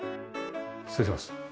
失礼します。